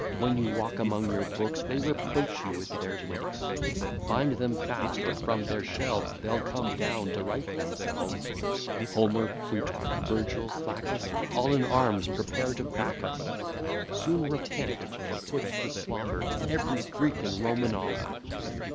When you walk among your books, They reproach you with their looks; Bind them fast, or from their shelves They'll come down to right themselves: Homer, Plutarch, Virgil, Flaccus, All in arms, prepare to back us: Soon repent, or put to slaughter Every Greek and Roman author.